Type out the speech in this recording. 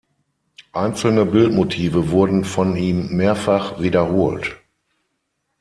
Einzelne Bildmotive wurden von ihm mehrfach wiederholt.